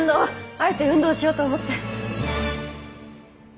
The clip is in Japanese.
あえて運動しようと思って。